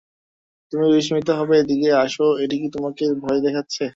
তুমি বিস্মিত হবে, এদিকে আসো এটি কি তোমাকে ভয় দেখাচ্ছে?